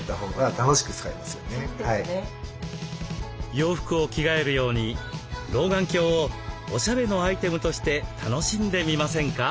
洋服を着替えるように老眼鏡をおしゃれのアイテムとして楽しんでみませんか？